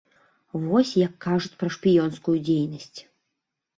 Вось як кажуць пра шпіёнскую дзейнасць.